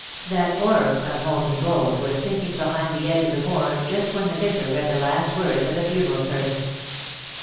That orb of [molten gold was sinking behind the edge of the moor just when the Vicar read the last words of the funeral service.